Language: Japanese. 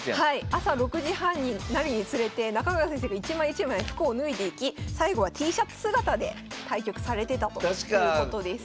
朝６時半になるにつれて中川先生が一枚一枚服を脱いでいき最後はＴシャツ姿で対局されてたということです。